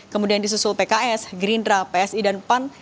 kemudian disusul pks gerindra psi dan pan